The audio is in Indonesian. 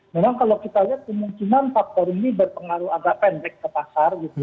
memang kalau kita lihat kemungkinan faktor ini berpengaruh agak pendek ke pasar gitu